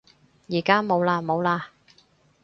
而家冇嘞冇嘞